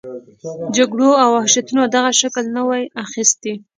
جګړو او وحشتونو دغه شکل نه وای اخیستی.